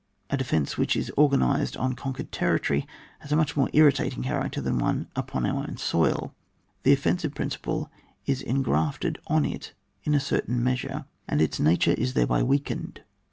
A defence, which is organised on conquered territory, has a much more irritating character than one upon our own soil; the offensive principle is engrafted on it in a certain measure, and its nature is thereby weak ened.